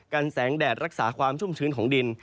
กันแสงแดดรักษาความชุ่มชื้นของดิน